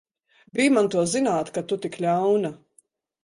Bij man to zināt, ka tu tik ļauna!